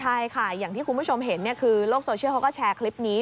ใช่ค่ะอย่างที่คุณผู้ชมเห็นคือโลกโซเชียลเขาก็แชร์คลิปนี้